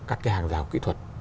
các cái hàng rào kỹ thuật